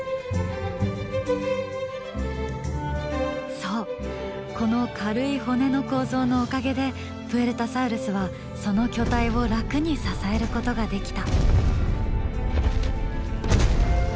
そうこの軽い骨の構造のおかげでプエルタサウルスはその巨体を楽に支えることができた。